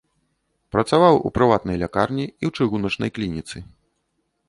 Працаваў у прыватнай лякарні і ў чыгуначнай клініцы.